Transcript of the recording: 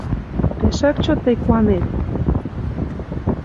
Пешак чот тый куанет